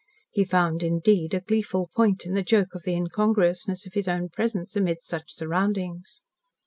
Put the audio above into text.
He found indeed a gleeful point in the joke of the incongruousness of his own presence amid such surroundings.